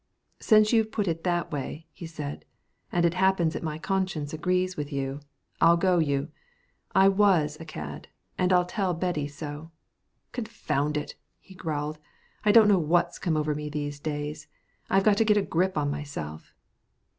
"Since you put it that way," he said, "and it happens that my conscience agrees with you I'll go you. I was a cad, and I'll tell Betty so. Confound it!" he growled, "I don't know what's come over me these days. I've got to get a grip on myself."